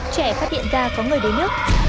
trẻ phát hiện ra có người đối nước